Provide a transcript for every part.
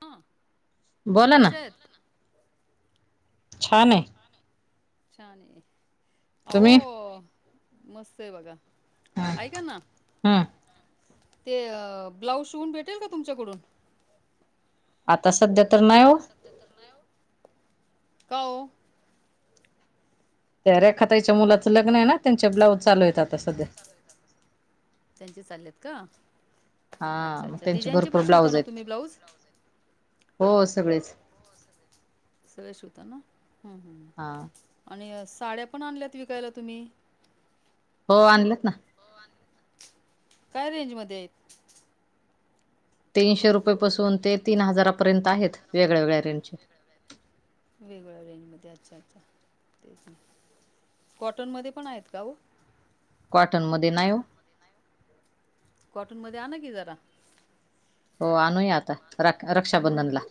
हा बोला ना कशेत? छान आहे. छान तुम्ही हो मस्त आहे बघा ऐका ना हम्म ते ब्लाऊज शवून भेटेल का तुमच्याकडून? आता सध्या तर नाही हो आता सध्या तर नाही ओ काओ? त्या रेखाच्या मुलाचं लग्न आहे ना त्यांचे ब्लाउज चालू आहेत आता सध्या त्यांचे चाललेत का हा अच्छा मग अच्छा त्यांचे डिझाईन भरपूर पण शिवता ब्लाऊज ना आहेत तुम्ही ब्लाऊज? हो सगळेच सगळे शिवताना होता ना हम्म हम्म हा आणि साड्या पण आणल्यात विकायला तुम्ही? हो आणलंत ना काय रेंज मध्ये आहेत? तीनशे रुपयेपासून ते तीन हजारापर्यंत आहेत वेगळ्या वेगळ्या रेंज मध्ये वेगळ्या रेंजमध्ये अच्छा अच्छा तेच कॉटनमध्ये पण आहेत का हो? कॉटनमध्ये नाही ओ कॉटन मध्ये आण ना की जरा हो आणूया आता रक्षाबंधनला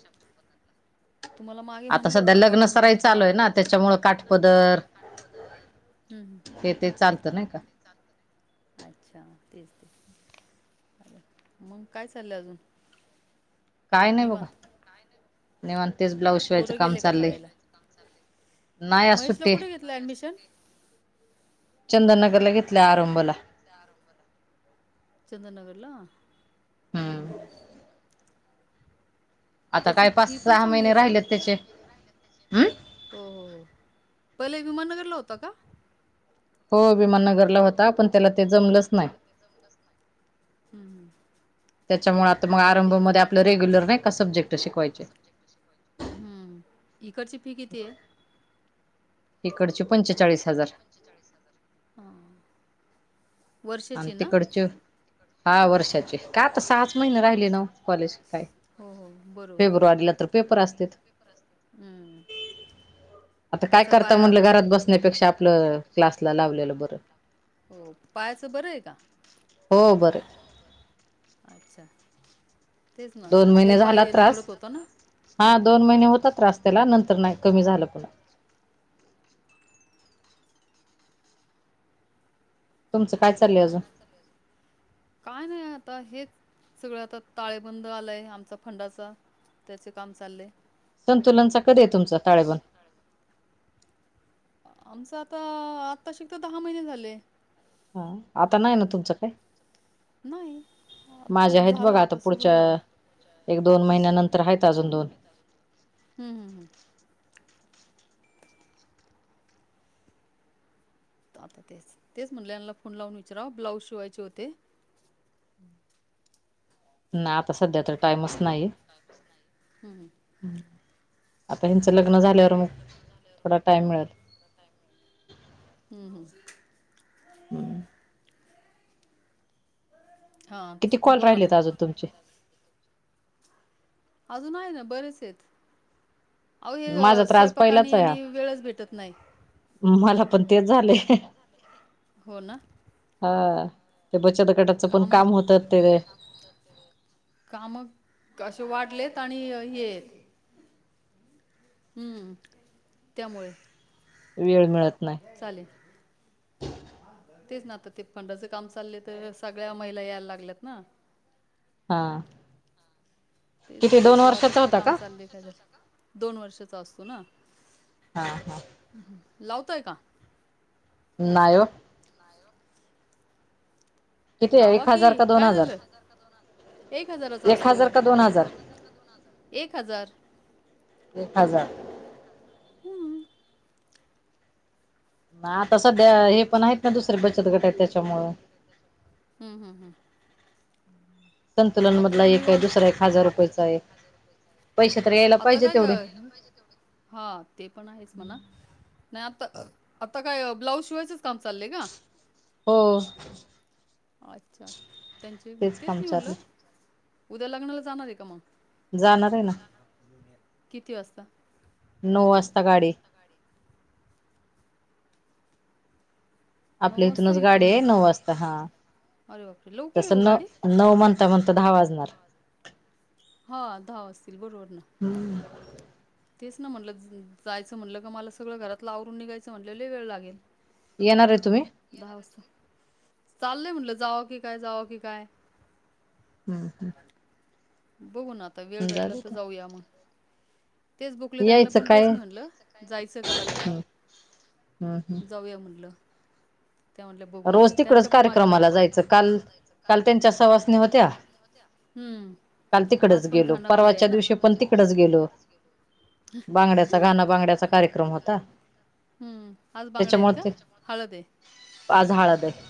तुम्हाला मागे आता म्हणलं सध्या होतं लग्न सराई कॉटनमध्ये पण आणा चालूय ना त्याच्यामुळे काठपदर हं, हं. हे ते चालत नाही का? अच्छा तेच तेच मग काय चाललंय अजून काय नाही बघा निवात? निवांत तेच ब्लाउज शिवायचं काम चालले शाळेला नाही आज सुट्टी आहे. लॅडमिशन चंदनगर ला घेतल्या आरंभला चंद्रनगरला हम् हम्म हम् आता त्याची काय पाच फी पण सहा चांगली महिने असेल राहिलेत दहा त्याचे म राहि हम्म हो हो हो पहिले विमाननगरला होता का होभमाननगरला होता पण त्याला ते जमलंच नाही हम्म हम् त्याच्यामुळे आता मग आरंभ म आपलं रेग्युलर नाही का सब्जेक्ट शिकवायचे हम्म इकडची फी किती आहे तिकडचे पंचेचाळीस हजार स हजार हा आणिम तिकडच हहा वर्षात काता सहाच महिने राहिले ना कॉलेज काय हो हो फेब्रुवारीला तर पेपर असते हम्म आता काय करता म्हटलं घरात बसण्यापेक्षा आपलं क्लासला लावलेलं बरं हो पायाचं बरं आहे का हो बर अच्छा तेच ना दोन तले महिने झाला पाय त्रास लंगडत होता ना हा हां दोन महिने होता त्र त्याला नंतर नाही कमी झालं पण तुमं काय चालं काय नाही आता हे सगळं आता ताळेबंद आलाय आमचा फंडाचा त्याचे काम चाललंय संतुलनचा कधी तुमचा ताळेबण आमचं आता आता शिक तर दहा महिने झाले हा आता नाही ना तुमचं काय नाही. आता माझ्या आहेत झालं बघ आता सुरू पुढच्या झालं एक दोन महिन्या नंतर आहेत अजून दोन हम्म हम् हम् आता तेच तेच म्हणलेला फोन लावून विचारा ब्लाऊज शिवायचे होते ना आता सध्या तर टाईमच नाही हम्म आता हिचं लग्न झाल्यावर मग थोडा टाइम मिळत हम् हम्म किती हां कॉल बोला ना राहिलेत अजून तुमचे अजून आहे ना बरेच आहेत अह हे माझा तर आज स्वयंपाकानी पहिलाच आहे हा यांनी वेळच भेटत नाही मला पण ते झालेय हो ना हा ते बचत गटाचं पण कामं काम होतात ते कामं असशे वाटलेत आणि येेत हम्म त्यामुळे वेळ मिळत नाही चालेल तेच ना आ ते पंड ज काम चालय तर सगळ्या महिला यायला लागल्यात ना हा तेच किती दोन पैसे वर्षाचा वाटपचं होता काम का चाललेय काय झा दोन वर्षाचा असतो ना हा हा लावतोय का नायो नाय ओ. किती लावा एक हजार की का दोन काय हजार झालं एक हजाराचा एक असतो. हजार का दोन हजार एक हजार. एक हजार. हमम. ना आता सध्या हे पण आहेत ना दुसरे बचत गट आहेत त्याच्यामुळ हम्म, हम्म, हम्म. मग संतुलन आता मधला काय एक आहे निवांत दुसरा एक हजार रुपयचा आहे. पैशेतर यायला आता पाहिजे तेवढे [unintelligible] हा ते पण आहेच म्हणा. नाही आता आता काय ब्लाऊज शिवायचंच काम चाललंय का? हो. अच्छा त्यांचे तेच काम मी म्हणलं. चालू उद्या लग्नाला जाणार आहे का मग? जाणार आहे ना. किती वाजता? नऊ वाजता गाडी ये. नऊ आपल्या वाजता इथूनच गाडी इथून आहे नऊ वाजता हा अरे बापरे! लवकर तस आहे ओ न गाडी? नऊ म्हणता म्हणंता दहा वाजणार. हा दहा वाजतील बरोबर ना. तेच ना म्हणलं जायचं म्हणलं का मला सगळं घरातला आवरून निघायचं म्हणलं लय वेळ लागेल. येणार आहे तुम्ही? दहा वाजता चाललंय म्हणलं जाव की काय जावं की काय. हम् हम्. बघू ना आता वेळ भेटला तर जाऊ जाऊया मग. तेच बुकलेताईनां यायचं पण काय तेच मी म्हणलं जायचं का लग्नाला. हम्म हम्म जाऊया म्हणलं. रोज तिकडच पण मागे कार्यक्रमाला धावपळ. जायचं काल काल त्यांच्या सवासनी होत्या. हं. काल तिकडच आज पण गेलो घाणा त्याच्यामुळे बांगड्या परवाच्या आहे ना? दिवशी पण तिकडेच गेलो. बांगड्याचा गाण बांगड्याचा कार्यक्रम होता. हम्म आज बांगड्या आहेत त्याच्यामुळे का ते हळद ये. आज हळद आहे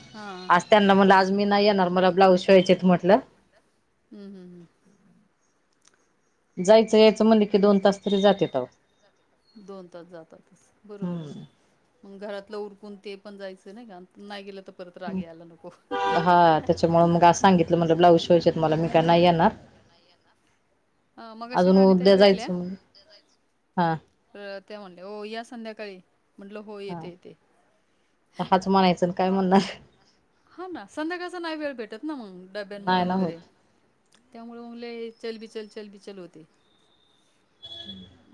आज त्यांना म्हणल आज मी नाही येणार मला ब्लाउज शिवायचेत म्हटलं. हम् हम् हम. जायचं यायचं म्हणल की दोन तास तरी जातेेत आहो. दोन तास जातातच बरोबर आहे. हम्म मग घरातलं उरकून ते पण जायचं नाही का? नाही गेलं तर परत राग यायला नको. पैशात मी काय नाही येणार. नाही येणार. अजून उद्या जायचं हा. त्या म्हणले हो या संध्याकाळी म्हटलं हो हा येते येते. हाच म्हणायचं काय म्हणणार. हा ना संध्याकाळचा नाही वेळ भेटत ना मग डब्यांमुळे नाही ना होत. वगैरे त्यामुळे लय चलबीचल चलबीचल होते.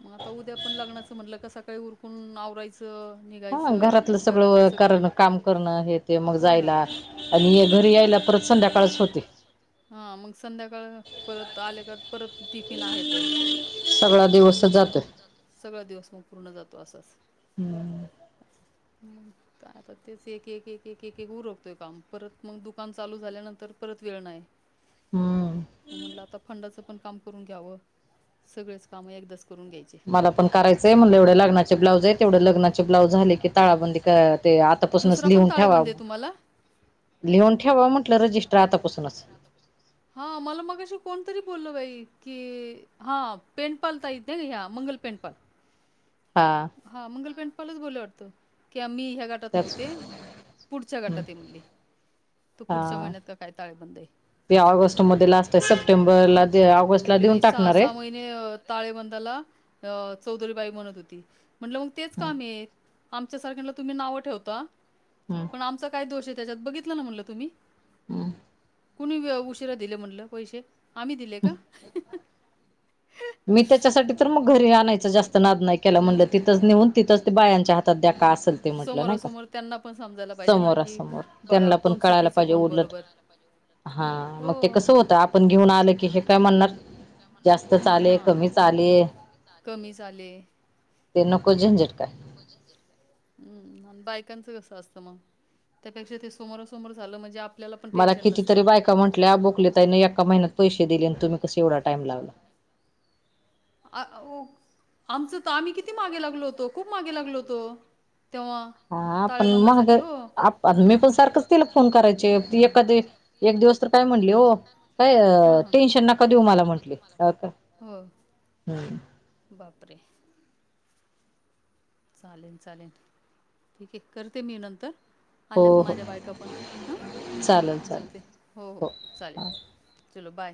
मग आता उद्या पण लग्नाच म्हटलं का सकाळी उरकून आवरायचं निघ हा घरातलं सगळं करण काम करणं हे ते मग हो ना. जायला आणि हे घरी यायला परत संध्याकाळच होते. हा मग संध्याकाळ परत आले का परत टिफिन आहेतच. सगळा दिवसच जातोय. सगळा दिवस मग संपूर्ण जातो असाच. हम्म. आता तेच एक एक एक एक एक उर काम परत मग दुकान चालू झाल्यानंतर परत वेळ नाही हम्म म्हटलं आता फंडाचं पण काम करून घ्यावं सगळेच कामं एकदाच करून घ्यायची मला पण करायचंय म्हणलं एवढे लग्नाचे ब्लाउज आहे तेवढे लग्नाचे ब्लाउज झाले की ताळाबंदी करा ते आतापासूनच दुसरा पण लिहून ठेवा ताळेबंद आहे तुम्हाला लिहून ठेवा म्हट म्हट राता हा मला मग अशी कोणतरी बोललं बाई की हा पेंटपाल ता यित नाही ह्या मंगल पेंटपाल हा हा मंगल पें पालच बोलला वाटतो की आम्ही ह्या गा त्याच नव्हते पुढच्या गटात आहे म्हणली तू पुढच्या हा महिन्यात का काय ताळेबंद आहे ते ऑगस्ट मध्ये लास्ट आहे सप्टेंबरला ऑगस्टला म्हटली देऊन बाई सहा टाकणार सहा म आहे ताळेबंदाला चौधरीबाई म्हणत होती म्हटलं मग तेच काम य आमच्यासारख्यांला तुम्ही नावं ठेवता हम् आमचा काय दोष आहे त्याच्यात बघितलं ना म्हटलं तुम्ही हम कुणी उशिरा दिले म्हटलं पैसे आम्ही दिले का मी त्याच्यासाठी तर मग घरी आणायच जास्त नाद नाही केला म्हंलं तिथंच नेऊन तिथंच ते बायांच्या हातात द्याका असेल ते लागलं म्हंटलं नाही का समोरासमोर त्यांना पण समजायला पाहिजे ना समोरा की समोर बघा त्यांना पण कोण कळायला चुकीचं पाहिजे कोण उलत बरोबर हा मग ते कस होत आपण घेऊन आलं ते की हे काय म्हणणार काय जास्तच आले म्हणणार कमीच जास्त आले झाले कमी झाले ते नको नाही झंझट काय ना हम् आणि बायकांचं कसं असतं मग त्यापेक्षा ते समोरसमोर झालं म्हणजे आप मला कितीतरी बायका म्हटल्या बोकले तने एका महिन्यात पैसे दिले आणि तुम्ही कस एवढा टाईम लागला अ हो आमचं तर आम्ही किती मागे लागलो होतो खूप मागे लागलो होतो तेव्हा हा पण मग ताळेबंदासाठी हो आप मी पण सारखंच तिला फोन करायचे त हम्म एखादी एक दिवस तर काय म्हणली हो काय हां हां टेन्शन नका देऊ मला म्हटली अ का म्हटलं हो हम् बापरे चालेल चालेल ठीक आहे करते मी नंतर आलंत हो माझ्या बायका पण हं चालेल चालेल करते हो हो चालेल चलो बाय